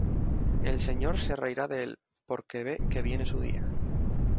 El Señor se reirá de él; Porque ve que viene su día.